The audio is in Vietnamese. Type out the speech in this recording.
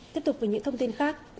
tiếp tục với những thông tin khác